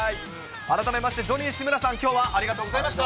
改めましてジョニー志村さん、きょうはありがとうございました。